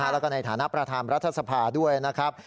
แล้วก็ในฐานะประธานรัฐสภาด้วยนะครับ